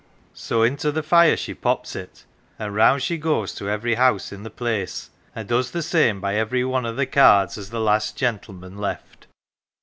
"So into the fire she pops it, and round she goes to every house in the place, and does the same by every one o' the cards as the last gentleman left.